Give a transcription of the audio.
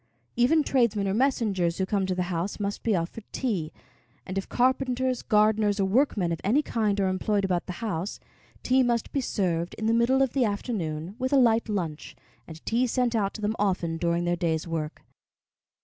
Even tradesmen or messengers who come to the house must be offered tea, and if carpenters, gardeners, or workmen of any kind are employed about the house, tea must be served in the middle of the afternoon with a light lunch, and tea sent out to them often during their day's work.